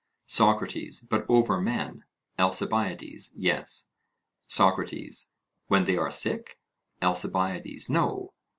SOCRATES: But over men? ALCIBIADES: Yes. SOCRATES: When they are sick? ALCIBIADES: No.